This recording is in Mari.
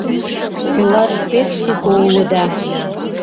— Ойлаш пеш шуко уло да...